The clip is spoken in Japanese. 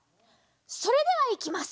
それではいきます！